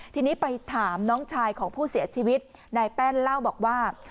ทีนี้ไปถามน้องชายของผู้เสียชีวิตนายแป้นเล่าบอกว่า